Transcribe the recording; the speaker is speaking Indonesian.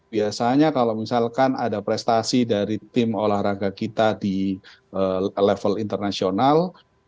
biasanya kalau misalkan ada prestasi dari tim olahraga kita di level internasional